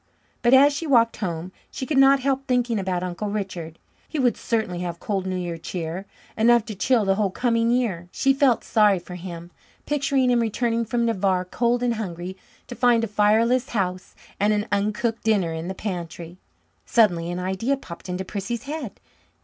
But as she walked home, she could not help thinking about Uncle Richard. He would certainly have cold New Year cheer, enough to chill the whole coming year. She felt sorry for him, picturing him returning from Navarre, cold and hungry, to find a fireless house and an uncooked dinner in the pantry. Suddenly an idea popped into Prissy's head.